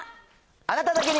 あなただけに！